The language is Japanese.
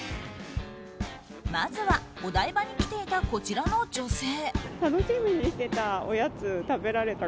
まずは、お台場に来ていたこちらの女性。